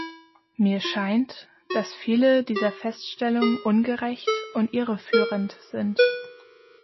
Mir scheint, dass viele dieser Feststellungen ungerecht und irreführend sind.